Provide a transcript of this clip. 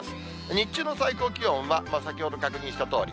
日中の最高気温は、先ほど確認したとおり。